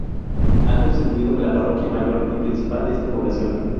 Ha constituido la parroquia mayor y principal de esta población.